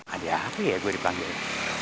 ada hp ya gue di panggilin